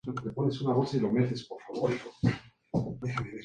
Está situado en el sureste del distrito, cerca de la ribera del Guadalquivir.